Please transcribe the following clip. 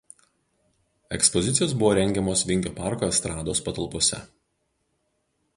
Ekspozicijos buvo rengiamos Vingio parko estrados patalpose.